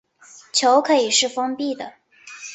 球可以是封闭的。